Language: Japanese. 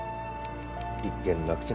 一件落着。